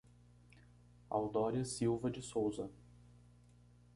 Audoria Silva de Souza